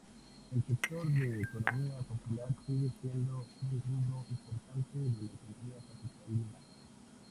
El sector de economía popular sigue siendo un rubro importante de la economía capitalina.